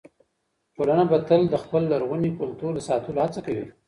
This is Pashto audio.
ټولنه به تل د خپل لرغوني کلتور د ساتلو هڅه کوي.